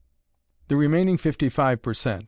The remaining fifty five per cent.